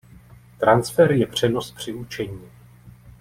Transfer je přenos při učení.